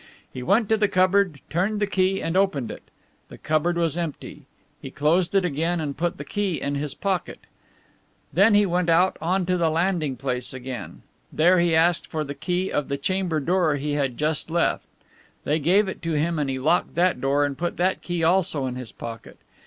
He went to the cupboard, turned the key and opened it. The cupboard was empty. He closed it again and put the key in his pocket. Then he went out onto the landing place again. There he asked for the key of the chamber door he had just left. They gave it to him and he locked that door and put that key also in his pocket.